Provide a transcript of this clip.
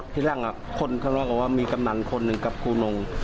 ที่ล่างคนเขาบอกว่ามีกำหนังคนหนึ่งกับครูนง